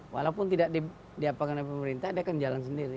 walaupun tidak diapakan oleh pemerintah dia akan jalan sendiri